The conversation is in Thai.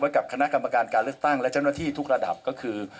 กับคณะกรรมการการเลือกตั้งและเจ้าหน้าที่ทุกระดับก็คือ